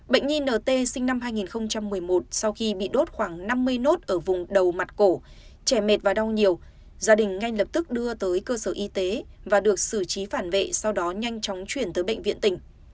bệnh nhi nt sinh năm hai nghìn một mươi một sau khi bị đốt khoảng năm mươi nốt ở vùng đầu mặt cổ trẻ mệt và đau nhiều gia đình ngay lập tức đưa tới cơ sở y tế và được xử trí phản vệ sau đó nhanh chóng chuyển tới bệnh viện tỉnh